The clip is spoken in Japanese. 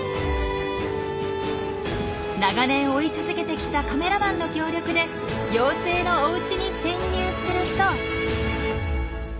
長年追い続けてきたカメラマンの協力で妖精のおうちに潜入すると。